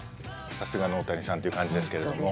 さすがの大谷さんっていう感じですけれども。